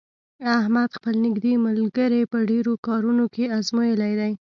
احمد خپل نېږدې ملګري په ډېرو کارونو کې ازمېیلي دي.